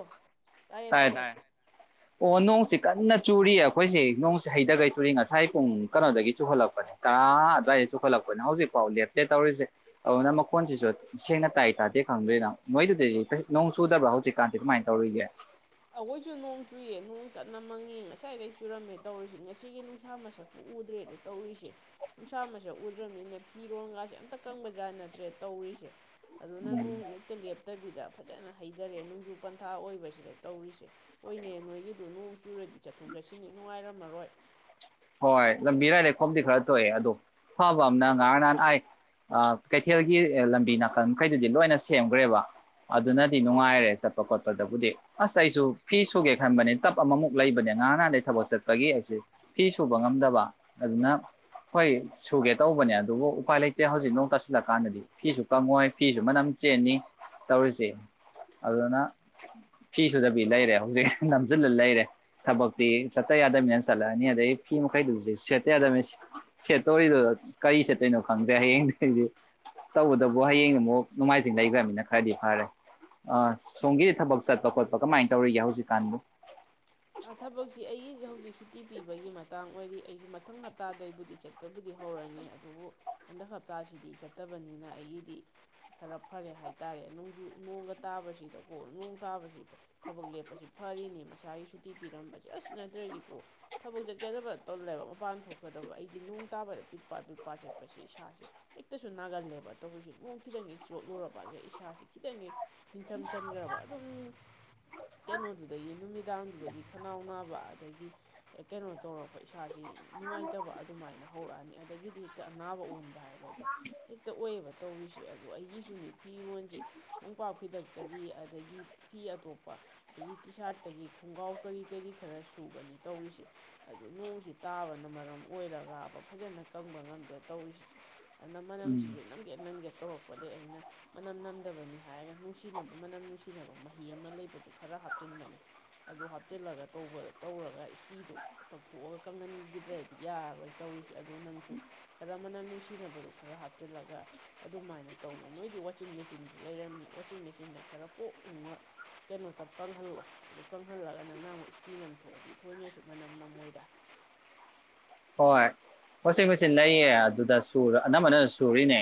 ꯑꯣ ꯇꯥꯏꯌꯦ ꯇꯌꯦ ꯇꯥꯏꯌꯦ ꯇꯥꯔꯦ ꯑꯣ ꯅꯣꯡꯆꯤꯛ ꯀꯟꯅ ꯆꯨꯔꯤ ꯑꯩꯈꯣꯏꯁꯤ ꯅꯣꯡꯁꯤ ꯍꯩꯗꯒꯩ ꯆꯨꯔꯤ ꯉꯁꯥꯏ ꯄꯨꯡ ꯀꯩꯅꯣꯗꯒꯤ ꯆꯨꯈꯠꯂꯛꯄꯅꯦ ꯇꯔꯥ ꯑꯗꯨ꯭ꯋꯥꯏꯗ ꯆꯨꯈꯠꯂꯛꯄꯅꯦ ꯍꯧꯖꯤꯛꯐꯥꯎ ꯂꯦꯞꯂꯦ ꯇꯧꯔꯤꯁꯦ ꯑꯗꯨꯅ ꯃꯈꯣꯟꯁꯤꯁꯨ ꯁꯦꯡꯅ ꯇꯥꯏ ꯇꯥꯗꯦ ꯈꯪꯗꯣꯏꯅ ꯃꯣꯏꯗꯨꯗꯤ ꯅꯣꯡ ꯆꯨꯗꯕ꯭ꯔ ꯍꯧ ꯆꯤꯛꯀꯥꯟꯇꯥꯗꯤ ꯃꯥꯏꯟ ꯇꯧꯔꯣꯏꯒꯦ ꯑꯩꯈꯣꯏꯁꯨ ꯅꯣꯡ ꯆꯨꯏ ꯅꯣꯡ ꯀꯟꯅ ꯃꯪꯉꯦ ꯉꯁꯥꯏꯗꯩ ꯆꯨꯔꯝꯃꯦ ꯇꯧꯔꯤꯁꯦ ꯉꯁꯤꯒꯤ ꯅꯨꯡꯁꯥ ꯃꯁꯛꯄꯨ ꯎꯗ꯭ꯔꯦꯗ ꯇꯧꯔꯤꯁꯦ ꯅꯨꯡꯁꯥ ꯃꯁꯛ ꯎꯗ꯭ꯔꯃꯤꯅ ꯐꯤꯔꯣꯟꯒꯥꯁꯦ ꯑꯝꯇ ꯀꯪꯕ ꯖꯠ ꯅꯠꯇꯔꯦ ꯇꯧꯔꯤꯁꯦ ꯑꯗꯨꯅ ꯅꯣꯡꯖꯤ ꯍꯦꯛꯇ ꯂꯦꯞꯇꯕꯤꯗ ꯐꯖꯅ ꯍꯩꯗꯔꯦ ꯅꯣꯡꯖꯨ ꯄꯟꯊꯥ ꯑꯣꯏꯕꯁꯤꯗꯗꯤ ꯇꯧꯔꯤꯁꯦ ꯍꯣꯏꯅꯦ ꯅꯣꯏꯒꯤꯗꯨ ꯅꯣꯡ ꯆꯨꯔꯗꯤ ꯆꯠꯊꯣꯛ ꯆꯠꯁꯤꯟꯗꯤ ꯅꯨꯡꯉꯥꯏꯔꯝꯃꯔꯣꯏ ꯍꯣꯏ ꯂꯝꯕꯤꯔꯥꯏ ꯂꯩꯈꯣꯝꯗꯤ ꯈꯔ ꯊꯣꯛꯑꯦ ꯑꯗꯣ ꯐꯕ ꯑꯃꯅ ꯉꯔꯥꯡ ꯅꯍꯥꯟ ꯑꯥꯏ ꯀꯩꯊꯦꯜꯒꯤ ꯂꯝꯕꯤ ꯅꯥꯀꯟ ꯃꯈꯩꯗꯨꯗꯤ ꯂꯣꯏꯅ ꯁꯦꯝꯈ꯭ꯔꯦꯕ ꯑꯗꯨꯅꯗꯤ ꯅꯨꯡꯉꯥꯏꯔꯦ ꯆꯠꯄ ꯈꯣꯠꯄꯗꯕꯨꯗꯤ ꯑꯁ ꯑꯩꯁꯨ ꯐꯤ ꯁꯨꯒꯦ ꯈꯟꯕꯅꯦ ꯇꯞ ꯑꯃꯃꯨꯛ ꯂꯩꯕꯅꯦ ꯉꯔꯥꯡ ꯅꯍꯥꯟꯗꯩ ꯊꯕꯛ ꯆꯠꯄꯒꯤ ꯑꯩꯁꯦ ꯐꯤ ꯁꯨꯕ ꯉꯝꯗꯕ ꯑꯗꯨꯅ ꯍꯣꯏ ꯁꯨꯒꯦ ꯇꯧꯕꯅꯦ ꯑꯗꯨꯕꯨ ꯎꯄꯥꯏ ꯂꯩꯇꯦ ꯍꯧꯖꯤꯛ ꯅꯣꯡ ꯇꯥꯁꯤꯜꯂꯀꯥꯟꯗꯗꯤ ꯐꯤꯁꯨ ꯀꯝꯃꯣꯏ ꯐꯤꯁꯨ ꯃꯅꯝ ꯆꯦꯟꯅꯤ ꯇꯧꯔꯤꯁꯦ ꯑꯗꯨꯅ ꯐꯤꯁꯨꯗꯕꯤ ꯂꯩꯔꯦ ꯍꯧꯖꯤꯛ ꯅꯝꯁꯤꯜꯂ ꯂꯩꯔꯦ ꯊꯕꯛꯇꯤ ꯆꯠꯇ ꯌꯥꯗꯕꯅ ꯆꯠꯂ ꯅꯤ ꯑꯗꯩ ꯐꯤ ꯃꯈꯩꯗꯨꯁꯨ ꯁꯦꯠꯇꯦ ꯌꯥꯗꯕꯅꯤ ꯁꯦꯠꯇꯧꯔꯤꯗꯨ ꯀꯔꯤ ꯁꯦꯠꯇꯣꯏꯅꯣ ꯈꯪꯗ꯭ꯔꯦ ꯍꯌꯦꯡꯗꯤ ꯇꯧꯕꯗꯕꯨ ꯍꯌꯦꯡꯗꯨ ꯑꯃꯨꯛ ꯅꯣꯡꯃꯥꯏꯖꯤꯡ ꯂꯩꯈ꯭ꯔꯅꯤꯅ ꯈꯔꯗꯤ ꯐꯔꯦ ꯑ ꯁꯣꯝꯒꯤ ꯊꯕꯛ ꯆꯠꯄ ꯈꯣꯠꯄ ꯀꯃꯥꯏꯅ ꯇꯧꯔꯤꯒꯦ ꯍꯧꯖꯤꯛꯀꯥꯟꯗꯤ ꯊꯕꯛꯁꯤ ꯑꯩꯒꯤꯁꯤ ꯍꯧꯖꯤꯛ ꯁꯨꯇꯤ ꯄꯤꯕꯒꯤ ꯃꯇꯥꯡ ꯑꯣꯏꯔꯤ ꯑꯩꯁꯨ ꯃꯊꯪ ꯍꯞꯇꯥꯗꯕꯨꯗꯤ ꯆꯠꯄꯕꯨꯗꯤ ꯍꯧꯔꯅꯤ ꯑꯗꯨꯕꯨ ꯍꯟꯗꯛ ꯍꯞꯇꯥꯁꯤꯗꯤ ꯆꯠꯇꯕꯅꯤꯅ ꯑꯩꯒꯤꯗꯤ ꯈꯔ ꯐꯔꯦ ꯍꯥꯏꯇꯥꯔꯦ ꯅꯣꯡꯖꯨ ꯅꯣꯡꯒ ꯇꯥꯕꯁꯤꯗꯀꯣ ꯅꯣꯡ ꯇꯥꯕꯁꯤ ꯊꯕꯛ ꯂꯦꯞꯄꯁꯤ ꯐꯔꯤꯅꯤ ꯃꯁꯥꯒꯤ ꯁꯨ ꯇꯤ ꯄꯤꯔꯝꯕꯁꯤ ꯑꯖ ꯅꯠꯇ꯭ꯔꯗꯤꯀꯣ ꯊꯕꯛ ꯆꯠꯀꯗꯕ ꯇꯧꯜꯂꯦꯕ ꯃꯄꯥꯟ ꯊꯣꯛꯀꯗꯕ ꯑꯩꯗꯤ ꯅꯣꯡ ꯇꯥꯕꯗ ꯄꯤ ꯄꯥꯠ ꯄꯤꯛ ꯄꯥꯠ ꯆꯠꯄꯁꯦ ꯏꯁꯥꯁꯦ ꯍꯦꯛꯇꯁꯨ ꯅꯥꯒꯜꯂꯦꯕ ꯇꯧꯔꯤꯁꯤ ꯅꯣꯡ ꯈꯤꯇꯪꯒꯤ ꯆꯣꯠꯂꯨꯔꯕ ꯑꯗ ꯏꯁꯥꯁꯦ ꯈꯤꯇꯪꯒꯤ ꯅꯤꯡꯊꯝ ꯆꯟꯈ꯭ꯔꯕ ꯑꯗꯨꯝ ꯀꯩꯅꯣꯗꯨꯗꯒꯤ ꯅꯨꯃꯤꯗꯥꯡ ꯑꯗꯨꯗꯒꯤ ꯈꯅꯥꯎ ꯅꯥꯕ ꯑꯗꯒꯤ ꯀꯩꯅꯣ ꯇꯧꯔꯛꯄ ꯏꯁꯥꯁꯤ ꯅꯨꯡꯉꯥꯏꯇꯕ ꯑꯗꯨꯃꯥꯏꯅ ꯍꯧꯔꯛꯑꯅꯤ ꯑꯗꯒꯤꯗꯤ ꯍꯦꯛꯇ ꯑꯅꯥꯕ ꯑꯣꯟꯕ ꯍꯥꯏꯕ ꯑꯗꯣ ꯍꯦꯛꯇ ꯑꯣꯏꯌꯦꯕ ꯇꯧꯔꯤꯁꯦ ꯑꯗꯣ ꯑꯩꯒꯤꯁꯨꯅꯤ ꯐꯤꯔꯣꯟꯁꯦ ꯃꯨꯡꯄꯥꯛ ꯐꯤꯗꯛꯇꯒꯤ ꯑꯗꯒꯤ ꯐꯤ ꯑꯇꯣꯞꯄ ꯑꯩꯒꯤ ꯇꯤ ꯁꯥꯔꯠꯇꯒꯤ ꯈꯣꯡꯒꯥꯎ ꯀꯔꯤ ꯀꯔꯤ ꯈꯔ ꯁꯨꯕꯅꯤ ꯇꯧꯔꯤꯁꯦ ꯑꯗꯨ ꯅꯣꯡꯁꯤ ꯇꯥꯕꯅ ꯃꯔꯝ ꯑꯣꯏꯔꯒꯕ ꯐꯖꯅ ꯀꯪꯕ ꯉꯝꯗꯦ ꯇꯧꯔꯤꯁꯤꯁꯦ ꯑꯗꯨꯅ ꯎꯝ ꯃꯅꯝꯁꯤꯁꯨ ꯅꯝꯒꯦ-ꯅꯝꯒꯦ ꯇꯧꯔꯛꯄꯗꯒꯩ ꯑꯩꯅ ꯃꯅꯝ ꯅꯝꯗꯕꯅꯤ ꯍꯥꯏꯔꯒ ꯅꯨꯡꯁꯤꯅꯕ ꯃꯅꯝ ꯅꯨꯡꯁꯤꯅꯕ ꯃꯍꯤ ꯑꯃ ꯂꯩꯕꯗꯨ ꯈꯔ ꯍꯥꯞꯆꯤꯟꯕꯅꯤ ꯑꯗꯨ ꯍꯥꯞꯆꯤꯜꯂꯒ ꯇꯧꯕ ꯇꯧꯔꯒ ꯏꯁꯇꯤꯗꯨ ꯇꯧꯊꯣꯛꯑꯒ ꯀꯪꯍꯟꯈꯤꯗ꯭ꯔꯗꯤ ꯌꯥꯔꯣꯏ ꯇꯧꯔꯤꯁꯦ ꯑꯗꯨ ꯅꯪꯁꯨ ꯈꯔ ꯃꯅꯝ ꯅꯨꯡꯁꯤꯅꯕꯗꯨ ꯈꯔ ꯍꯥꯞꯆꯤꯜꯂꯒ ꯑꯗꯨꯃꯥꯏꯅ ꯇꯧꯅꯩ ꯅꯣꯏꯗꯤ ꯋꯥꯆꯤꯡ ꯃꯦꯆꯤꯟꯁꯨ ꯂꯩꯔꯝꯅꯤ ꯋꯥꯆꯤꯡ ꯃꯦꯆꯤꯟꯟꯅ ꯈꯔ ꯀꯣꯛ ꯎꯉ ꯀꯩꯅꯣꯇꯪ ꯀꯪꯍꯜꯂꯣ ꯑꯗꯨ ꯀꯪꯍꯜꯂꯒ ꯅꯪꯅ ꯑꯃꯨꯛ ꯏꯁꯇꯤ ꯅꯝꯊꯣꯛꯑꯗꯤ ꯊꯣꯏꯅꯁꯨ ꯃꯅꯝ ꯅꯃꯣꯏꯗ ꯍꯣꯏ ꯋꯥꯆꯤꯡ ꯃꯦꯆꯤꯟ ꯂꯩꯌꯦ ꯑꯗꯨꯗ ꯁꯨ ꯑꯅꯝꯕꯅ ꯁꯨꯔꯤꯅꯦ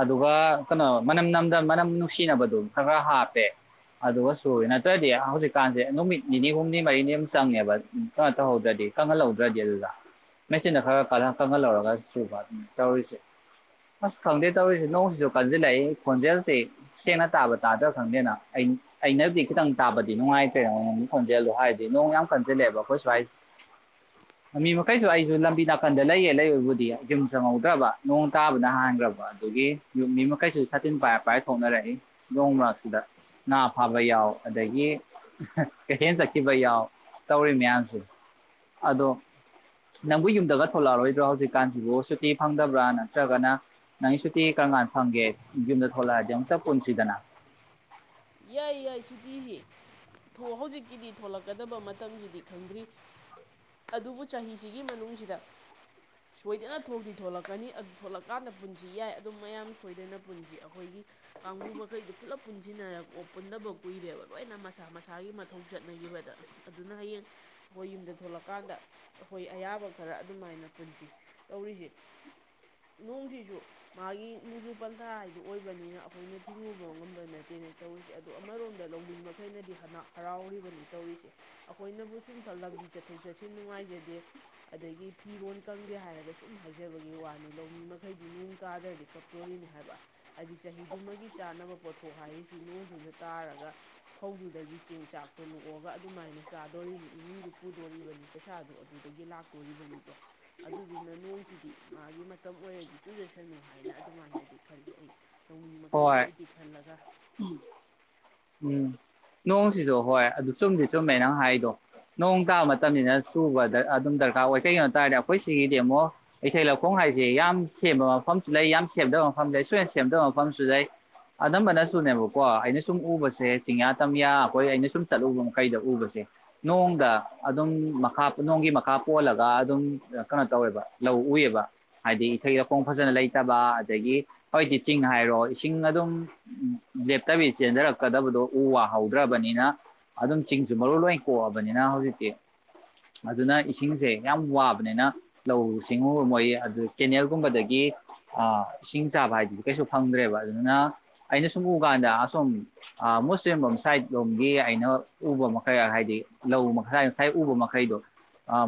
ꯑꯗꯨꯒ ꯀꯩꯅꯣ ꯃꯅꯝ ꯅꯝꯗ ꯃꯅꯝ ꯅꯨꯡꯁꯤꯅꯕꯗꯣ ꯈꯔ ꯈꯔ ꯍꯥꯞꯄꯦ ꯑꯗꯨꯒ ꯁꯨꯔꯤ ꯅꯠꯇ꯭ꯔꯗꯤ ꯍꯧꯖꯤꯛꯀꯥꯟꯁꯦ ꯅꯨꯃꯤꯠ ꯅꯤꯅꯤ ꯍꯨꯝꯅꯤ ꯃꯔꯤꯅꯤ ꯑꯃ ꯆꯪꯉꯦꯕ ꯀꯩꯅꯣ ꯇꯧꯍꯧꯗ꯭ꯔꯗꯤ ꯀꯪꯍꯜꯍꯧꯗ꯭ꯔꯗꯤ ꯑꯗꯨꯗ ꯃꯦꯆꯤꯟꯅ ꯈꯔꯒ ꯀ ꯀꯪꯍꯜ ꯂꯧꯔꯒ ꯁꯨꯕ ꯇꯧꯔꯤꯁꯦ ꯑꯁ ꯈꯪꯗꯦ ꯇꯧꯔꯤꯁꯦ ꯅꯣꯡꯁꯤꯁꯨ ꯀꯟꯁꯤꯜꯂꯛꯏ ꯈꯣꯟꯖꯦꯜꯁꯤ ꯁꯦꯡꯅ ꯇꯥꯕ ꯇꯥꯗ꯭ꯔꯥ ꯈꯪꯗꯦꯅ ꯑꯩꯅꯗꯤ ꯈꯤꯇꯪ ꯇꯥꯕꯗꯤ ꯅꯨꯡꯉꯥꯏꯇ꯭ꯔꯦ ꯅꯃꯣꯟꯒꯤ ꯈꯣꯟꯖꯦꯜꯗꯣ ꯍꯥꯏꯔꯗꯤ ꯅꯣꯡ ꯌꯥꯝ ꯀꯟꯖꯤꯜꯂꯛꯑꯦꯕ ꯑꯩꯈꯣꯏ ꯁꯋꯥꯏꯁꯦ ꯃꯤ ꯃꯈꯩꯁꯨ ꯑꯩ ꯑꯗꯨ ꯂꯝꯕꯤ ꯅꯥꯀꯟꯗ ꯂꯩꯌꯦ ꯂꯩꯕꯕꯨꯗꯤ ꯌꯨꯝ ꯆꯪꯍꯧꯗ꯭ꯔꯕ ꯅꯣꯡ ꯇꯥꯕꯅ ꯍꯥꯟꯈ꯭ꯔꯕ ꯑ ꯌꯨꯝ ꯃꯤ ꯃꯈꯩꯁꯨ ꯁꯥꯇꯤꯟ ꯄꯥꯏꯔ ꯄꯥꯏꯔ ꯊꯣꯛꯅꯔꯛꯏ ꯅꯣꯡ ꯃꯔꯥꯛꯁꯤꯗ ꯉꯥ ꯐꯥꯕ ꯌꯥꯎ ꯑꯗꯒꯤ ꯀꯩꯊꯦꯜ ꯆꯠꯈꯤꯕ ꯌꯥꯎ ꯇꯧꯔꯤ ꯃꯌꯥꯝꯁꯤ ꯑꯗꯣ ꯅꯪꯕꯨ ꯌꯨꯝꯗꯒ ꯊꯣꯛꯂꯛꯑꯔꯣꯏꯗ꯭ꯔꯣ ꯍꯧꯖꯤꯛꯀꯥꯟꯁꯤꯕꯨ ꯁꯨꯇꯤ ꯐꯪꯗꯕ꯭ꯔꯥ ꯅꯠꯇ꯭ꯔꯒꯅ ꯅꯪꯒꯤ ꯁꯨꯇꯤ ꯀꯔꯝ ꯀꯥꯟꯗ ꯐꯪꯒꯦ ꯌꯨꯝꯗ ꯊꯣꯂꯛꯑꯗꯤ ꯑꯃꯇ ꯄꯨꯟꯁꯤꯗꯅ ꯌꯥꯏ ꯌꯥꯏ ꯁꯨꯇꯤꯁꯤ ꯊꯣꯛ ꯍꯧꯖꯤꯛꯀꯤꯗꯤ ꯊꯣꯂꯛꯀꯗꯕ ꯃꯇꯝꯁꯤꯗꯤ ꯈꯪꯗ꯭ꯔꯤ ꯑꯗꯨꯕꯨ ꯆꯍꯤꯁꯤꯒꯤ ꯃꯅꯨꯡꯁꯤꯗ ꯁꯣꯏꯗꯅ ꯊꯣꯛꯇꯤ ꯊꯣꯂꯛꯀꯅꯤ ꯑꯗꯨ ꯊꯂꯛꯀꯥꯟꯗ ꯄꯨꯟꯁꯤ ꯌꯥꯏ ꯑꯗꯨꯝ ꯃꯌꯥꯝ ꯁꯣꯏꯗꯅ ꯄꯨꯟꯁꯤ ꯑꯩꯈꯣꯏꯒꯤ ꯀꯥꯡꯕꯨ ꯃꯈꯩꯗꯨ ꯄꯨꯂꯞ ꯄꯨꯟꯁꯤꯟꯅꯔ ꯑꯣ ꯄꯨꯟꯗꯕ ꯀꯨꯏꯔꯦꯕ ꯂꯣꯏꯅ ꯃꯁꯥ ꯃꯁꯥꯒꯤ ꯃꯊꯧ ꯆꯠꯅꯈꯤꯕꯗ ꯑꯗꯨꯅ ꯍꯌꯦꯡ ꯑꯩꯈꯣꯏ ꯌꯨꯝꯗ ꯊꯣꯛꯂꯛꯀꯥꯟꯗ ꯑꯩꯈꯣꯏ ꯑꯌꯥꯕ ꯈꯔ ꯑꯗꯨꯃꯥꯏꯅ ꯄꯨꯟꯁꯤ ꯇꯧꯔꯤꯁꯤ ꯅꯣꯡꯁꯤꯁꯨ ꯃꯥꯒꯤ ꯅꯣꯡꯖꯨ ꯄꯟꯊꯥ ꯍꯥꯏꯗꯨ ꯑꯣꯏꯕꯅꯤꯅ ꯑꯩꯈꯣꯏꯅ ꯊꯤꯡꯉꯨꯕ ꯉꯝꯕ ꯅꯠꯇꯦꯅꯦ ꯇꯧꯔꯤꯁꯦ ꯑꯗꯣ ꯑꯃꯔꯣꯝꯗ ꯂꯧꯃꯤ ꯃꯈꯩꯅꯗꯤ ꯍꯔꯥꯎꯔꯤꯕꯅꯤ ꯇꯧꯔꯤꯁꯦ ꯑꯩꯈꯣꯏꯅꯕꯨ ꯁꯨꯝ ꯂꯝꯕꯤ ꯆꯠꯊꯣꯛ ꯆꯠꯁꯤꯟ ꯅꯨꯡꯉꯥꯏꯖꯗꯦ ꯑꯗꯒꯤ ꯐꯤꯔꯣꯜ ꯀꯪꯗꯦ ꯍꯥꯏꯔꯒ ꯁꯨꯝ ꯍꯥꯏꯖꯕꯒꯤ ꯋꯥꯅꯤ ꯂꯧꯃꯤ ꯃꯈꯩꯗꯤ ꯅꯣꯡ ꯇꯥꯗ꯭ꯔꯗꯤ ꯀꯞꯇꯣꯔꯤꯅꯤ ꯍꯥꯏꯕ ꯍꯥꯏꯗꯤ ꯆꯍꯤꯗꯨꯃꯒꯤ ꯆꯥꯅꯕ ꯄꯣꯠꯊꯣꯛ ꯍꯥꯏꯔꯤꯁ ꯁꯤ ꯅꯣꯡꯗꯨꯅ ꯇꯥꯔꯒ ꯐꯧꯗꯨꯗꯒꯤ ꯆꯦꯡ ꯆꯥꯛꯇꯣ ꯂꯣꯛꯑꯒ ꯑꯗꯨꯃꯥꯏꯅ ꯆꯥꯗꯣꯔꯤꯅꯤ ꯏꯃꯨꯡꯗꯨ ꯄꯨꯗꯣꯔꯤꯕꯅꯤ ꯄꯩꯁꯥꯗꯣ ꯑꯗꯨꯗꯒꯤ ꯂꯥꯛꯇꯣꯔꯤꯕꯅꯤꯗꯣ ꯑꯗꯨꯗꯨꯅ ꯅꯣꯡꯁꯤꯗꯤ ꯃꯥꯒꯤ ꯃꯇꯝ ꯑꯣꯏꯔꯗꯤ ꯆꯨꯖꯁꯅꯨ ꯍꯥꯏꯅ ꯑꯗꯨꯃꯥꯏꯅꯗꯤ ꯈꯜꯂꯤ ꯑꯩ ꯂꯧꯃꯤ ꯍꯣꯏ ꯃꯈꯩꯒꯤꯕꯨꯗꯤ ꯈꯜꯂꯒ ꯎꯝ ꯅꯣꯡꯁꯤꯁꯨ ꯍꯣꯏ ꯑꯗꯨ ꯆꯨꯝꯗꯤ ꯆꯨꯝꯃꯦ ꯅꯪ ꯍꯥꯏꯗꯣ ꯅꯣꯡ ꯇꯥꯕ ꯃꯇꯝꯅꯤꯅ ꯆꯨꯕꯗ ꯑꯗꯨꯝ ꯗꯔꯀꯥꯔ ꯑꯣꯏ ꯀꯩꯒꯤꯅꯣ ꯇꯥꯔꯗꯤ ꯑꯩꯈꯣꯏ ꯁꯤꯒꯤꯗꯤ ꯑꯃꯨꯣ ꯏꯊꯩ ꯂꯧꯈꯣꯡ ꯍꯥꯏꯁꯦ ꯌꯥꯝ ꯁꯦꯝꯕ ꯃꯐꯝꯁꯨ ꯂꯩ ꯌꯥꯝ ꯁꯦꯝꯗꯕ ꯃꯐꯝ ꯂꯩ ꯁꯣꯏꯗꯅ ꯁꯦꯝꯗꯕ ꯃꯐꯝꯁꯨ ꯂꯩ ꯑꯅꯝꯕꯅꯁꯨꯨꯅꯦꯕꯀꯣ ꯑꯩꯅ ꯁꯨꯝ ꯎꯕꯁꯦ ꯆꯤꯡꯌꯥ ꯇꯝꯌꯥ ꯑꯩꯈꯣꯏ ꯑꯩꯅ ꯁꯨꯝ ꯆꯠꯂꯨꯕ ꯃꯈꯩꯗ ꯎꯕꯁꯦ ꯅꯣꯡꯗ ꯑꯗꯨꯝ ꯃꯈꯥ ꯅꯣꯡꯒꯤ ꯃꯈꯥ ꯄꯣꯜꯂꯒ ꯑꯗꯨꯝ ꯀꯩꯅꯣ ꯇꯧꯋꯦꯕ ꯂꯧ ꯎꯑꯦꯕ ꯍꯥꯏꯗꯤ ꯏꯊꯩ ꯂꯧꯈꯣꯡ ꯐꯖꯅ ꯂꯩꯇꯕ ꯑꯗꯒꯤ ꯍꯧꯖꯤꯛꯇꯤ ꯆꯤꯡ ꯍꯥꯏꯔꯣ ꯏꯁꯤꯡ ꯑꯗꯨꯝ ꯂꯦꯞꯇꯕꯤ ꯆꯦꯟꯖꯔꯛꯀꯗꯕꯗꯣ ꯎ ꯋꯥ ꯍꯧꯗ꯭ꯔꯕꯅꯤꯅ ꯑꯗꯨꯝ ꯆꯤꯡꯁꯨ ꯃꯔꯨ ꯂꯣꯏ ꯀꯣꯛꯑꯕꯅꯤꯅ ꯍꯧꯖꯤꯛꯇꯤ ꯑꯗꯨꯅ ꯏꯁꯤꯡꯁꯦ ꯌꯥꯝ ꯋꯥꯕꯅꯤꯅ ꯂꯧ ꯁꯤꯡꯎꯨ ꯃꯣꯏ ꯑꯗꯨ ꯀꯦꯅꯦꯜꯒꯨꯝꯕꯗꯒꯤ ꯏꯁꯤꯡ ꯆꯥꯕ ꯍꯥꯏꯗꯨꯗꯤ ꯀꯩꯁꯨ ꯐꯪꯗ꯭ꯔꯦꯕ ꯑꯗꯨꯅ ꯑꯩꯅ ꯁꯨꯝ ꯎ ꯀꯥꯟꯗ ꯑꯁꯨꯝ ꯑꯥ ꯃꯨꯁ ꯇꯨꯅꯦꯝꯕꯝ ꯁꯥꯏꯠ ꯂꯣꯝꯒꯤ ꯑꯩꯅ ꯎꯕ ꯃꯈꯩ ꯍꯥꯏꯗꯤ ꯂꯧ ꯃꯈ ꯉꯁꯥꯏ ꯎꯕ ꯃꯈꯩꯗꯣ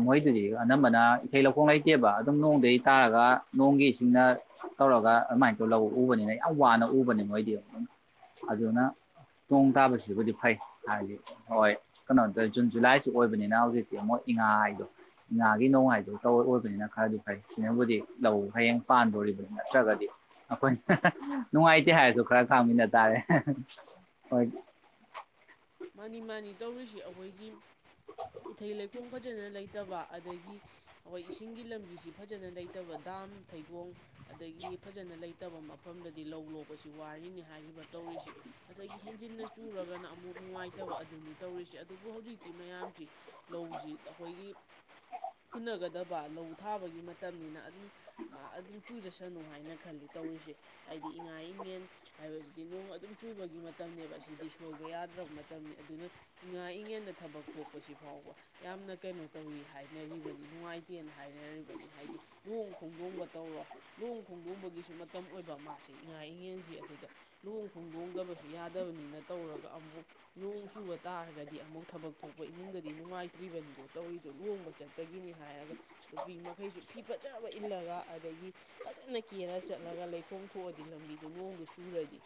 ꯃꯣꯏꯗꯨꯗꯤ ꯑꯅꯝꯕꯅ ꯏꯊꯩ ꯂꯧꯈꯣꯡ ꯂꯩꯇꯦꯕ ꯑꯗꯨꯝ ꯅꯣꯡꯗꯗꯒꯤ ꯇꯥꯔꯒ ꯅꯣꯡꯒꯤ ꯏꯁꯤꯡꯅ ꯇꯧꯔꯒ ꯑꯗꯨꯃꯥꯏꯅ ꯇꯧ ꯂꯧ ꯎꯕꯅꯤꯅ ꯌꯥꯝ ꯋꯥꯅ ꯎꯕꯅꯦ ꯃꯣꯏꯗꯤ ꯑꯗꯨꯅ ꯅꯣꯡ ꯇꯥꯕꯁꯤꯕꯨꯗꯤ ꯐꯩ ꯍꯥꯏꯗꯤ ꯍꯣꯏ ꯀꯩꯅꯣ ꯇꯧ ꯖꯨꯟ ꯖꯨꯂꯥꯏꯁꯤ ꯑꯣꯏꯕꯅꯤꯅ ꯍꯧꯖꯤꯛꯇꯤ ꯑꯃꯨꯛ ꯏꯉꯥ ꯍꯥꯏꯗꯣ ꯉꯥꯒꯤ ꯅꯣꯡꯃꯥꯏꯗꯣ ꯇꯧ ꯑꯣꯏꯕꯅꯤꯅ ꯈꯔꯗꯤ ꯐꯩ ꯁꯤꯅꯕꯨꯗꯤ ꯂꯧ ꯍꯌꯦꯡ ꯄꯥꯟꯗꯣꯔꯤꯕꯅꯤ ꯅꯠꯇ꯭ꯔꯒꯗꯤ ꯑꯩꯈꯣꯏꯅ ꯍ ꯍ ꯅꯨꯡꯉꯥꯏꯇꯦ ꯍꯥꯏꯔꯁꯨ ꯈꯔ ꯈꯥꯡꯃꯤꯟꯅ ꯇꯥꯔꯦ ꯍꯣꯏ ꯃꯥꯅꯤ ꯃꯥꯅꯤ ꯇꯧꯔꯤꯁꯤ ꯑꯩꯈꯣꯏꯒꯤ ꯏꯊꯩ ꯂꯩꯈꯣꯡ ꯐꯖꯅ ꯂꯩꯇꯕ ꯑꯗꯒꯤ ꯑꯩꯈꯣꯏ ꯏꯁꯤꯡꯒꯤ ꯂꯝꯕꯤꯁꯤ ꯐꯖꯅ ꯂꯩꯇꯕ ꯗꯥꯝ ꯊꯩꯒꯣꯡ ꯑꯗꯒꯤ ꯐꯖꯅ ꯂꯩꯇꯕ ꯃꯐꯝꯗꯗꯤ ꯂꯧ ꯂꯣꯛꯄꯁꯤ ꯋꯥꯔꯤꯅꯤ ꯍꯥꯏꯔꯤꯕ ꯇꯧꯔꯤꯁꯤ ꯑꯗꯒꯤ ꯍꯦꯟꯖꯤꯟꯅ ꯆꯨꯔꯒꯅ ꯑꯃꯨꯛ ꯅꯨꯡꯉꯥꯏꯇꯕ ꯑꯗꯨꯅꯤ ꯇꯧꯔꯤꯁꯦ ꯑꯗꯨꯕꯨ ꯍꯧꯖꯤꯛꯇꯤ ꯃꯌꯥꯝꯁꯤ ꯂꯧꯁꯤ ꯑꯩꯈꯣꯏꯒꯤ ꯍꯨꯟꯅꯒꯗꯕ ꯂꯧ ꯊꯥꯕꯒꯤ ꯃꯇꯝꯅꯤꯅ ꯑꯗꯨꯝ ꯑꯗꯨꯝ ꯆꯨꯖꯁꯅꯨ ꯍꯥꯏꯅ ꯈꯜꯂꯤ ꯇꯧꯔꯤꯁꯦ ꯍꯥꯏꯗꯤ ꯏꯉꯥ ꯏꯉꯦꯟ ꯍꯥꯏꯕꯁꯤꯗꯤ ꯅꯣꯡ ꯑꯗꯨꯝ ꯆꯨꯕꯒꯤ ꯃꯇꯝꯅꯤꯕ ꯁꯤꯗꯤ ꯁꯣꯏꯕ ꯌꯥꯗ ꯗ꯭ꯔꯕ ꯃꯇꯝꯅꯤ ꯑꯗꯨꯅ ꯏꯉꯥ-ꯏꯉꯦꯗ ꯊꯕꯛ ꯊꯣꯛꯄꯁꯤ ꯐꯥꯎꯕ ꯌꯥꯝꯅ ꯀꯩꯅꯣ ꯇꯧꯋꯤ ꯍꯥꯏꯅꯔꯤꯕꯅꯤ ꯅꯨꯡꯉꯥꯏꯇꯦꯅ ꯍꯥꯏꯅꯔꯤꯕꯅꯤ ꯍꯥꯏꯗꯤ ꯂꯨꯍꯣꯡ ꯈꯣꯡꯗꯣꯡꯕ ꯇꯧꯔꯣ ꯂꯨꯍꯣꯡ ꯈꯣꯡꯗꯣꯡꯕꯒꯤꯁꯨ ꯃꯇꯝ ꯑꯣꯏꯕ ꯃꯥꯁꯤ ꯏꯉꯥ ꯏꯉꯦꯟꯁꯤ ꯑꯗꯨꯗ ꯂꯨꯍꯣꯡ ꯈꯣꯡꯗꯣꯡꯗꯕꯁꯨ ꯌꯥꯗꯕꯅꯤꯅ ꯇꯧꯔꯒ ꯑꯃꯨꯛ ꯅꯣꯡ ꯆꯨꯕ ꯇꯥꯔꯒꯗꯤ ꯑꯃꯨꯛ ꯊꯕꯛ ꯊꯣꯛꯄ ꯏꯃꯨꯡꯗꯗꯤ ꯅꯨꯡꯉꯥꯏꯇ꯭ꯔꯤꯕꯅꯤꯗꯣ ꯇꯧꯔꯤꯗꯣ ꯂꯨꯍꯣꯡꯕ ꯆꯠꯄꯒꯤꯅꯤ ꯍꯥꯏꯔꯒ ꯅꯨꯄꯤ ꯃꯈꯩꯁꯨ ꯐꯤ ꯐꯖꯕ ꯏꯜꯂꯒ ꯑꯗꯒꯤ ꯐꯖꯅ ꯀꯦꯔ ꯆꯠꯂꯒ ꯂꯩꯈꯣꯝ ꯊꯣꯛꯑꯗꯤ ꯂꯝꯕꯤꯗꯨ ꯅꯣꯡꯗꯨ ꯆꯨꯔꯗꯤ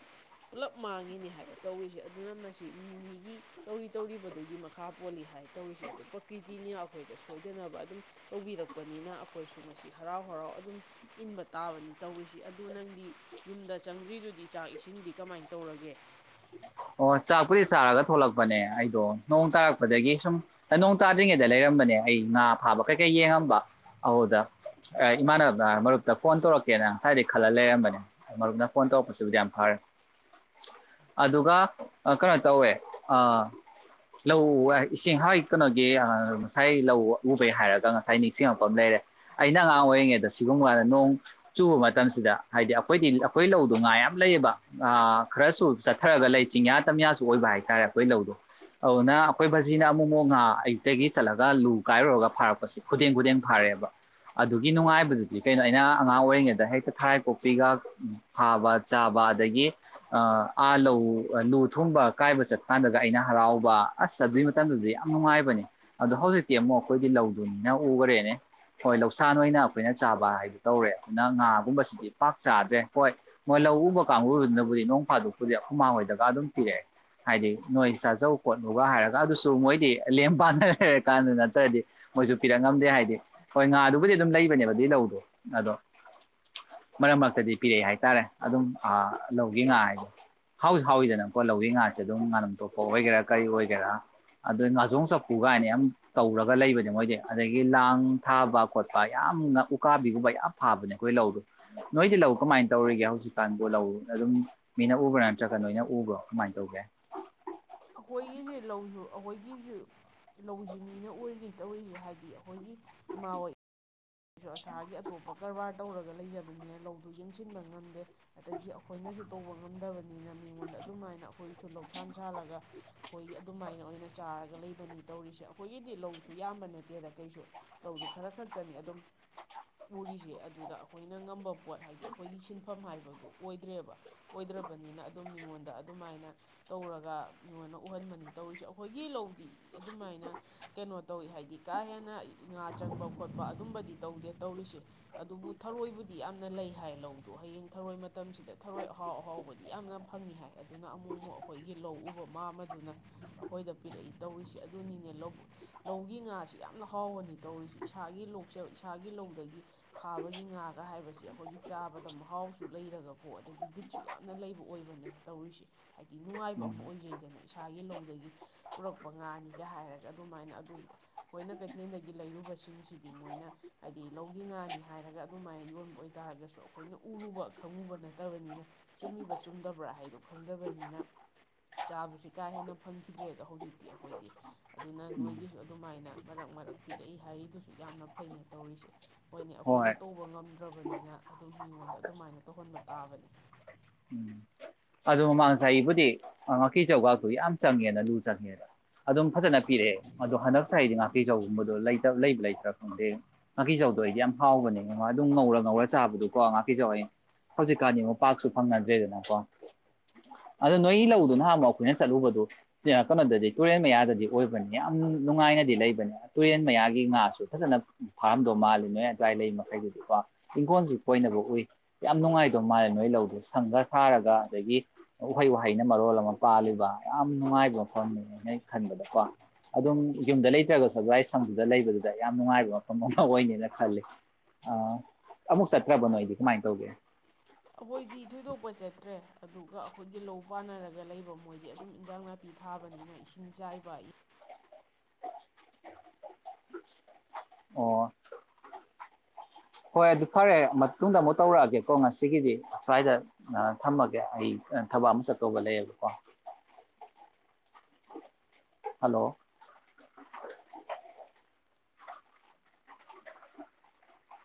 ꯄꯨꯂꯞ ꯃꯥꯡꯉꯤꯅꯤ ꯍꯥꯏꯕ ꯇꯧꯔꯤꯁꯦ ꯑꯗꯨꯅ ꯃꯁꯤ ꯃꯤ ꯃꯤꯒꯤ ꯇꯧꯔꯤ ꯇꯧꯔꯤꯕꯗꯨꯒꯤ ꯃꯈꯥ ꯄꯣꯜꯂꯤ ꯍꯥꯏ ꯇꯧꯔꯤꯁꯤ ꯑꯗꯨ ꯄ꯭ꯔꯀꯤ꯭ꯔꯤꯇꯤꯅ ꯑꯩꯈꯣꯏꯗ ꯁꯣꯏꯗꯅꯕ ꯑꯗꯨꯝ ꯇꯧꯕꯤꯔꯛꯄꯅꯤꯅ ꯑꯩꯈꯣꯏꯁꯨ ꯃꯁꯤ ꯍꯔꯥꯎ-ꯍꯔꯥꯎ ꯑꯗꯨꯝ ꯏꯟꯕ ꯇꯥꯕꯅꯤ ꯇꯧꯔꯤꯁꯤ ꯑꯗꯨꯗ ꯅꯪꯗꯤ ꯌꯨꯝꯗ ꯆꯪꯗ꯭ꯔꯤꯗꯨꯗꯤ ꯆꯥꯛ ꯏꯁꯤꯡꯗꯤ ꯀꯃꯥꯏꯅ ꯇꯧꯔꯒꯦ ꯑꯣ ꯆꯥꯛꯄꯨꯗꯤ ꯆꯥꯔꯒ ꯊꯂꯛꯄꯅꯦ ꯑꯩꯗꯣ ꯅꯣꯡ ꯇꯥꯔꯛꯄꯗꯒꯤ ꯁꯨꯝ ꯅꯣꯡ ꯇꯥꯗ꯭ꯔꯤꯉꯩꯗ ꯂꯩꯔꯝꯕꯅꯦ ꯑꯩ ꯉꯥ ꯐꯥꯕ ꯀꯩꯀꯩ ꯌꯦꯡꯉꯝꯕ ꯑꯗꯨꯗ ꯏꯃꯥꯟꯅꯕꯅ ꯃꯔꯨꯞꯇ ꯐꯣꯟ ꯇꯧꯔꯛꯀꯦꯅ ꯉꯁꯥꯏꯗꯩ ꯈꯜꯂ ꯂꯩꯔꯝꯕꯅꯦ ꯃꯔꯨꯞꯅ ꯐꯣꯟ ꯇꯧꯔꯛꯄꯁꯤꯕꯨꯗꯤ ꯌꯥꯝ ꯐꯔꯦ ꯑꯗꯨꯒ ꯀꯩꯅꯣ ꯇꯧꯋꯦ ꯑ ꯂꯧ ꯏꯁꯤꯡ ꯍꯣꯏ ꯀꯩꯅꯣꯒꯤ ꯉꯁꯥꯏ ꯂꯧ ꯎꯕꯩ ꯍꯥꯏꯔꯒ ꯉꯁꯥꯏ ꯅꯤꯡꯁꯤꯡꯉꯛꯄ ꯑꯃ ꯂꯩꯔꯦ ꯑꯩꯅ ꯑꯉꯥꯡ ꯑꯣꯏꯔꯤꯉꯩꯗ ꯁꯤꯒꯨꯝꯕ ꯅꯣꯡ ꯆꯨꯕ ꯃꯇꯝꯁꯤꯗ ꯍꯥꯏꯗꯤ ꯑꯩꯈꯣꯏꯗꯤ ꯑꯩꯈꯣꯏ ꯂꯧꯗꯣ ꯉꯥ ꯌꯥꯝ ꯂꯩꯌꯦꯕ ꯈꯔꯁꯨ ꯆꯠꯊꯔꯒ ꯂꯩ ꯆꯤꯡꯌꯥ ꯇꯝꯌꯥꯁꯨ ꯑꯣꯏꯕ ꯍꯥꯏꯇꯥꯔꯦ ꯑꯩꯈꯣꯏ ꯂꯧꯗꯣ ꯑꯗꯨꯅ ꯑꯩꯈꯣꯏ ꯕꯥꯖꯤꯅ ꯑꯃꯨꯛ-ꯑꯃꯨꯛ ꯉꯥ ꯑꯌꯨꯛꯇꯒꯤ ꯆꯠꯂꯒ ꯂꯨ ꯀꯥꯏꯔꯨꯔꯒ ꯐꯥꯔꯛꯄꯁꯤ ꯈꯨꯗꯡ ꯈꯨꯗꯦꯡ ꯐꯥꯔꯛꯑꯦꯕ ꯑꯗꯨꯒꯤ ꯅꯨꯡꯉꯥꯏꯕꯗꯨꯗꯤ ꯀꯩꯅꯣ ꯑꯩꯅ ꯑꯉꯥꯡ ꯑꯣꯏꯔꯤꯉꯩꯗ ꯍꯦꯛꯇ ꯊꯔꯥꯏ ꯀꯣꯛꯄꯤꯒ ꯐꯥꯕ ꯆꯥꯕ ꯑꯗꯒꯤ ꯑꯥ ꯂꯧ ꯂꯨ ꯊꯣꯡꯕ ꯀꯥꯏꯕ ꯆꯠꯄꯀꯥꯟꯗꯒ ꯑꯩꯅ ꯍꯔꯥꯎꯕ ꯑꯁ ꯑꯗꯨꯏ ꯃꯇꯝꯗꯨꯗꯤ ꯌꯥꯝ ꯅꯨꯡꯉꯥꯏꯕꯅꯦ ꯑꯗꯣ ꯍꯧꯖꯤꯛꯇꯤ ꯑꯃꯨꯛ ꯑꯩꯈꯣꯏꯗꯤ ꯂꯧꯗꯨ ꯃꯤꯅ ꯎꯈꯔꯦꯅꯦ ꯍꯣꯏ ꯂꯧꯁꯥꯏ ꯑꯣꯏꯅ ꯑꯩꯈꯣꯏꯅ ꯆꯥꯕ ꯍꯥꯏꯗꯨ ꯇꯧꯔꯦ ꯑꯗꯨꯅ ꯉꯥꯒꯨꯝꯕꯁꯤꯗꯤ ꯄꯥꯛ ꯆꯥꯗ꯭ꯔꯦ ꯍꯣꯏ ꯃꯣꯏ ꯂꯧ ꯎꯕ ꯀꯥꯡꯕꯨꯗꯨꯅꯕꯨꯗꯤ ꯅꯣꯡ ꯐꯥꯗꯣꯛꯄꯗꯤ ꯑꯈꯣꯏ ꯃꯥꯈꯣꯏꯗ ꯑꯗꯨꯝ ꯄꯤꯔꯛꯑꯦ ꯍꯥꯏꯗꯤ ꯅꯣꯏ ꯆꯥꯖꯧ ꯈꯣꯠꯂꯨꯒ ꯍꯥꯏꯔꯒ ꯑꯗꯨꯁꯨ ꯃꯣꯏꯗꯤ ꯂꯦꯝ ꯄꯥꯟꯗ ꯂꯩꯔꯀꯥꯟꯗꯨ ꯅꯠꯇ꯭ꯔꯗꯤ ꯃꯣꯏꯁꯨ ꯄꯤꯔꯛ ꯉꯝꯗꯦ ꯍꯥꯏꯗꯤ ꯍꯣꯏ ꯉꯥꯗꯨꯕꯨꯗꯤ ꯑꯗꯨꯝ ꯂꯩꯕꯅꯦꯕꯗꯤ ꯂꯧꯗꯣ ꯑꯗꯣ ꯃꯔꯛ ꯃꯔꯛꯇꯗꯤ ꯄꯤꯔꯛꯑꯦ ꯍꯥꯏꯇꯥꯔꯦ ꯑꯗꯨꯝ ꯂꯧꯒꯤ ꯉꯥ ꯍꯥꯏꯗ ꯍꯧꯖꯤꯛ ꯍꯥꯎꯋꯤꯗꯅꯀꯣ ꯂꯧꯒꯤ ꯉꯥꯁꯦ ꯑꯗꯨꯝ ꯉꯥꯅꯝ ꯇꯣꯞꯄ ꯑꯣꯏꯒꯦꯔꯥ ꯀꯔꯤ ꯑꯣꯏꯒꯦꯔꯥ ꯑꯗ ꯉꯥꯖꯣꯡ ꯆꯐꯨ ꯀꯥꯏꯅ ꯌꯥꯝ ꯇꯧꯔꯒ ꯂꯩꯕꯅꯦ ꯃꯣꯏꯗꯤ ꯑꯗꯒꯤ ꯂꯥꯡ ꯊꯥꯕ ꯈꯣꯠꯄ ꯌꯥꯝꯅ ꯎꯀꯥꯕꯤꯒꯨꯝꯕ ꯌꯥꯝ ꯐꯥꯕꯅꯦ ꯑꯩꯈꯣꯏ ꯂꯧꯗꯣ ꯅꯣꯏꯗꯤ ꯂꯧ ꯀꯃꯥꯏꯅ ꯇꯧꯔꯤꯒꯦ ꯍꯧꯖꯤꯛꯀꯥꯟꯕꯨ ꯂꯧ ꯑꯗꯨꯝ ꯃꯤꯅ ꯎꯕ꯭ꯔꯥ ꯅꯇ꯭ꯔꯒ ꯒ ꯅꯣꯏꯅ ꯎꯕ꯭ꯔꯣ ꯀꯃꯥꯏ ꯇꯧꯒꯦ ꯑꯩꯈꯣꯏꯒꯤꯁꯤ ꯂꯧꯁꯨ ꯑꯩꯈꯣꯏꯒꯤ ꯁꯤꯁꯨ ꯂꯧꯁꯤ ꯃꯤꯅ ꯑꯣꯏꯔꯤ ꯇꯧꯔꯤꯁꯦ ꯍꯥꯏꯗꯤ ꯑꯩꯈꯣꯏꯒꯤ ꯏꯃꯥ ꯍꯣꯏ ꯑꯩꯁꯨ ꯑꯁꯥꯒꯤ ꯑꯇꯣꯞꯄ ꯀꯔꯕꯥꯔ ꯇꯧꯔꯒ ꯂꯩꯖꯕꯅꯤꯅ ꯂꯧꯗꯨ ꯌꯦꯡꯁꯤꯟꯕ ꯉꯝꯗꯦ ꯑꯗꯒꯤ ꯑꯩꯈꯣꯏꯅꯁꯨ ꯇꯧꯕ ꯉꯝꯗꯕ ꯅꯤꯅ ꯃꯤꯉꯣꯟꯗ ꯑꯗꯨꯃꯥꯏꯅ ꯑꯩꯈꯣꯏ ꯏꯁꯨ ꯂꯧꯁꯥꯟ ꯁꯥꯜꯂꯒ ꯑꯩꯈꯣꯏꯒꯤ ꯑꯗꯨꯃꯥꯏꯅ ꯑꯣꯏꯅ ꯆꯥꯔꯒ ꯂꯩꯕꯅꯤ ꯇꯧꯔꯤꯁꯦ ꯑꯩꯈꯣꯏꯒꯤꯗꯤ ꯂꯧꯁꯨ ꯌꯥꯝꯕ ꯅꯠꯇꯦꯗ ꯀꯩꯁꯨ ꯂꯧꯗꯨ ꯈꯔ ꯈꯛꯇꯅꯤ ꯑꯗꯨꯝ ꯎꯔꯤꯁꯦ ꯑꯗꯨꯗ ꯑꯩꯈꯣꯏꯅ ꯉꯝꯕ ꯄꯣꯠ ꯍꯥꯏꯗꯤ ꯑꯩꯈꯣꯏꯒꯤ ꯁꯤꯟꯐꯝ ꯍꯥꯏꯕꯗꯨ ꯑꯣꯏꯗ꯭ꯔꯦꯕ ꯑꯣꯏꯗ꯭ꯔꯕꯅꯤꯅ ꯑꯗꯨꯝ ꯃꯤꯉꯣꯟꯗ ꯑꯗꯨꯃꯥꯏꯅ ꯇꯧꯔꯒ ꯃꯤꯉꯣꯟꯗ ꯎꯍꯟꯕꯅꯤ ꯇꯧꯔꯤꯁꯦ ꯑꯩꯈꯣꯏꯒꯤ ꯂꯧꯗꯤ ꯑꯗꯨꯃꯥꯏꯅ ꯀꯩꯅꯣ ꯇꯧꯋꯤ ꯍꯥꯏꯗꯤ ꯀꯥ ꯍꯦꯟꯅ ꯉꯥ ꯆꯪꯕ ꯈꯣꯠꯄ ꯑꯗꯨꯝꯕꯗꯤ ꯇꯧꯗꯦ ꯇꯧꯔꯤꯁꯦ ꯑꯗꯨꯕꯨ ꯊꯔꯣꯏꯕꯨꯗꯤ ꯌꯥꯝꯅ ꯂꯩ ꯍꯥꯏ ꯂꯧꯗꯣ ꯍꯌꯦꯡ ꯊꯔꯣꯏ ꯃꯇꯝꯁꯤꯗ ꯊꯔꯣꯏ ꯑꯍꯥꯎ ꯑꯍꯥꯎꯕꯗꯤ ꯌꯥꯝꯅ ꯐꯪꯉꯤ ꯍꯥꯏ ꯑꯗꯨꯅ ꯑꯃꯨꯛ ꯑꯃꯨꯛ ꯑꯩꯈꯣꯏꯒꯤ ꯂꯧ ꯎꯕ ꯃꯥ ꯑꯃꯗꯨꯅ ꯑꯩꯈꯣꯏꯗ ꯄꯤꯔꯛꯏ ꯇꯧꯔꯤꯁꯦ ꯑꯗꯨꯅꯤꯅꯦ ꯂ ꯂꯧꯒꯤ ꯉꯥꯁꯤ ꯌꯥꯝꯅ ꯍꯥꯎꯕꯅꯤ ꯇꯧꯔꯤꯁꯤ ꯏꯁꯥꯒꯤ ꯂꯣꯛꯆ ꯏꯁꯥꯒꯤ ꯂꯧꯗꯒꯤ ꯐꯥꯕꯒꯤ ꯉꯥꯒ ꯍꯥꯏꯕꯁꯤ ꯑꯩꯈꯣꯏꯒꯤ ꯆꯥꯕꯗ ꯃꯍꯥꯎꯁꯨ ꯂꯩꯔꯒꯀꯣ ꯑꯗꯒꯤ ꯕꯤꯠꯁꯨ ꯌꯥꯝꯅ ꯂꯩꯕ ꯑꯣꯏꯕꯅꯦ ꯇꯧꯔꯤꯁꯦ ꯍꯥꯏꯗꯤ ꯅꯨꯡꯉꯥꯏꯕ ꯎꯝ ꯑꯃ ꯑꯣꯏꯖꯩꯗꯅ ꯏꯁꯥꯒꯤ ꯂꯧꯗꯒꯤ ꯄꯨꯔꯛꯄ ꯉꯥꯅꯤ ꯒ ꯍꯥꯏꯔꯒ ꯑꯗꯨꯃꯥꯏꯅ ꯑꯗꯨ ꯑꯩꯈꯣꯏꯅ ꯀꯩꯊꯦꯜꯗꯒꯤ ꯂꯩꯔꯨꯕꯁꯤꯡꯁꯤꯗꯤ ꯃꯣꯏꯅ ꯍꯥꯏꯗꯤ ꯂꯧꯒꯤ ꯉꯥꯅꯤ ꯍꯥꯏꯔꯒ ꯑꯗꯨꯃꯥꯏꯅ ꯌꯣꯟꯕ ꯑꯣꯏꯇꯥꯔꯒꯁꯨ ꯑꯩꯈꯣꯏꯅ ꯎꯔꯨꯕ ꯈꯪꯉꯨꯕ ꯅꯠꯇꯕꯅꯤꯅ ꯆꯨꯝꯃꯤꯕꯥ ꯆꯨꯝꯗꯕ꯭ꯔꯥ ꯍꯥꯏꯗꯣ ꯈꯪꯗꯕꯅꯤꯅ ꯆꯥꯕꯁꯤ ꯀꯥ ꯍꯦꯟꯅ ꯐꯪꯈꯤꯗ꯭ꯔꯦ ꯑꯗꯣ ꯍꯧꯖꯤꯛꯇꯤ ꯑꯩꯈꯣꯏꯗꯤ ꯑꯗꯨꯅ ꯎꯝ ꯅꯣꯏꯒꯤꯁꯨ ꯑꯗꯨꯃꯥꯏꯅ ꯃꯔꯛ ꯃꯔꯛ ꯄꯤꯔꯛꯏ ꯍꯥꯏꯔꯤꯗꯨꯁꯨ ꯌꯥꯝꯅ ꯐꯩꯅꯦ ꯇꯧꯔꯤꯁꯦ ꯍꯣꯏꯅꯦ ꯍꯣꯏ ꯑꯩꯈꯣꯏꯅ ꯇꯧꯕ ꯉꯝꯗꯦ ꯠꯇ꯭ꯔꯕꯅꯤꯅ ꯑꯗꯨꯝ ꯃꯤꯉꯣꯟꯗ ꯑꯗꯨꯃꯥꯏꯅ ꯇꯧꯍꯟꯕ ꯇꯥꯕꯅꯤ ꯑꯗꯨꯗꯣ ꯃꯃꯥꯡ ꯆꯍꯤꯕꯨꯗꯤ ꯉꯥꯀꯤꯆꯧꯒꯥꯛꯇꯨ ꯌꯥꯝ ꯆꯪꯉꯦꯅ ꯂꯨ ꯆꯪꯉꯦꯗ ꯑꯗꯨꯝ ꯐꯖꯅ ꯄꯤꯔꯛꯑꯦ ꯑꯗꯣ ꯍꯟꯗꯛ ꯆꯍꯤ ꯑꯩꯗꯤ ꯉꯥꯀꯀꯤꯆꯧꯒꯨꯝꯕꯗꯣꯇ ꯂꯩꯕ ꯂꯩꯇ꯭ꯔꯥ ꯈꯪꯗꯦ ꯉꯥꯀꯤꯆꯧꯗꯣ ꯑꯩꯗꯤ ꯌꯥꯝ ꯍꯥꯎꯕꯅꯦ ꯑꯗꯨꯝ ꯉꯧꯔ ꯉꯧꯔ ꯆꯥꯕꯗꯨꯀꯣ ꯉꯥꯀꯤꯆꯧ ꯑꯩ ꯍꯧꯖꯤꯛꯀꯥꯟꯗꯤ ꯑꯃꯨꯛ ꯄꯥꯛꯁꯨ ꯐꯪꯅꯗ꯭ꯔꯦꯗꯅꯀꯣ ꯑꯗꯣ ꯅꯣꯏꯒꯤ ꯂꯧꯗꯨ ꯅꯍꯥꯟ ꯑꯃꯨꯛ ꯑꯩꯈꯣꯏꯅ ꯆꯠꯂꯨꯕꯗꯨ ꯀꯩꯅꯣꯗꯗꯤ ꯇꯨꯔꯦꯟ ꯃꯌꯥꯗꯗꯤ ꯑꯣꯏꯕꯅꯦ ꯌꯥꯝ ꯅꯨꯡꯉꯥꯏꯅꯗꯤ ꯂꯩꯕꯅꯦ ꯇꯨꯔꯦꯟ ꯃꯌꯥꯒꯤ ꯉꯥꯁꯨ ꯐꯖꯅ ꯐꯥꯔꯝꯗꯧ ꯃꯥꯜꯂꯤ ꯅꯣꯏ ꯑꯗꯨ꯭ꯋꯥꯏ ꯂꯩ ꯃꯈꯩꯗꯗꯤꯀꯣ ꯏꯪꯈꯣꯜꯁꯨ ꯀꯣꯏꯅꯕ ꯎꯏ ꯌꯥꯝ ꯅꯨꯡꯉꯥꯏꯗꯧ ꯃꯥꯜꯂꯦ ꯅꯣꯏ ꯂꯧꯗꯨ ꯁꯪꯒ ꯁꯥꯔꯒ ꯑꯗꯒꯤ ꯎꯍꯩ ꯋꯥꯍꯩꯅ ꯃꯔꯣꯜ ꯑꯃ ꯄꯥꯜꯂꯤꯕ ꯌꯥꯝ ꯅꯨꯡꯉꯥꯏꯕ ꯃꯐꯝꯅꯦꯅ ꯈꯟꯕꯗꯀꯣ ꯑꯗꯨꯝ ꯌꯨꯝꯗ ꯂꯩꯇ꯭ꯔꯒꯁꯨ ꯑꯗꯨꯋꯥꯏ ꯁꯪꯗꯨꯗ ꯂꯩꯕꯗꯨꯗ ꯌꯥꯝ ꯅꯨꯡꯉꯥꯏꯕ ꯃꯐꯝ ꯑꯃ ꯑꯣꯏꯅꯅꯦꯅ ꯈꯜꯂꯤ ꯑ ꯑꯃꯨꯛ ꯆꯠꯇ꯭ꯔꯕꯅꯣ ꯑꯩꯗꯤ ꯀꯃꯥꯏꯅ ꯇꯧꯒꯦ ꯑꯩꯈꯣꯏꯗꯤ ꯊꯣꯏꯗꯣꯛꯄ ꯆꯠꯇ꯭ꯔꯦ ꯑꯗꯨꯒ ꯑꯩꯈꯣꯏꯒꯤ ꯂꯧ ꯄꯥꯟꯅꯔꯒ ꯂꯩꯕ ꯃꯣꯏꯗꯤ ꯑꯗꯨꯝ ꯏꯟꯖꯥꯡ ꯅꯥꯄꯤ ꯊꯥꯕꯅꯤꯅ ꯏꯁꯤꯡ ꯆꯥꯏꯕ ꯑꯣ ꯍꯣꯏ ꯑꯗꯨ ꯐꯔꯦ ꯃꯇꯨꯡꯗ ꯑꯃꯨꯛ ꯇꯧꯔꯛꯑꯒꯦꯀꯣ ꯉꯁꯤꯒꯤꯗꯤ ꯁ꯭ꯋꯥꯏꯗ ꯊꯝꯃꯒꯦ ꯑꯩ ꯊꯕꯛ ꯑꯃ ꯆꯠꯇꯧꯕ ꯂꯩꯌꯦꯕꯀꯣ ꯍꯜꯂꯣ